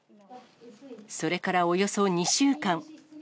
それからおよそ２週間。